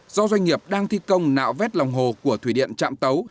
do doanh nghiệp đang thi công nạo vét lòng hồ của thủy điện trạm tấu